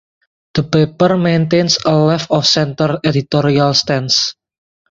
The paper maintains a left of center editorial stance.